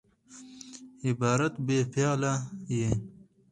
عبارت بې فعله يي.